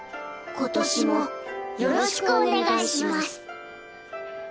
今年もよろしくお願いします。